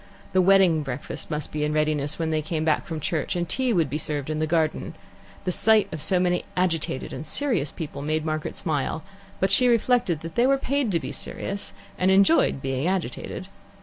The wedding breakfast must be in readiness when they came back from church, and tea would be served in the garden. The sight of so many agitated and serious people made Margaret smile, but she reflected that they were paid to be serious, and enjoyed being agitated.